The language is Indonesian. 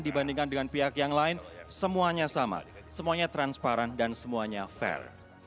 dibandingkan dengan pihak yang lain semuanya sama semuanya transparan dan semuanya fair